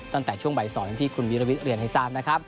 ตั้งแต่ช่วงใบสอนที่คุณวิลวิทย์เรียนให้สามนะครับ